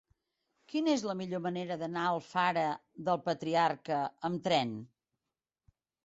Quina és la millor manera d'anar a Alfara del Patriarca amb tren?